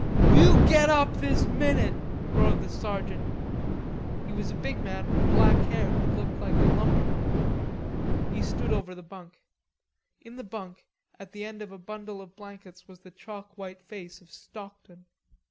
"You get up this minute," roared the sergeant. He was a big man with black hair who looked like a lumberman. He stood over the bunk. In the bunk at the end of a bundle of blankets was the chalk white face of Stockton.